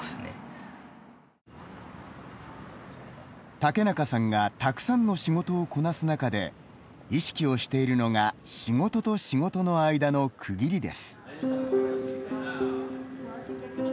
竹中さんがたくさんの仕事をこなす中で意識をしているのが仕事と仕事の間の区切りです。